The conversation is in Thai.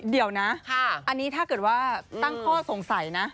เดี๋ยวนะอันนี้ถ้าเกิดว่าตั้งข้อสงสัยนะ